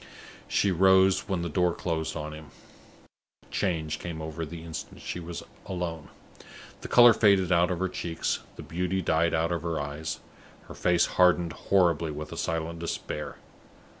She rose when the door closed on him. A change came over her the instant she was alone. The color faded out of her cheeks; the beauty died out of her eyes; her face hardened horribly with a silent despair.